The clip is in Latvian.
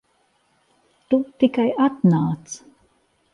Tu tikai atnāc.